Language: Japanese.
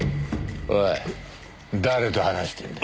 おい誰と話してんだよ？